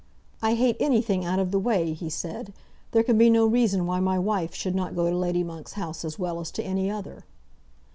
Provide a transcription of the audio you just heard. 'I hate anything out of the way,' he said. 'There can be no reason why my wife should not go to Lady Monk's house as well as to any other.'